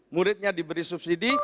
muridnya diberi subsidi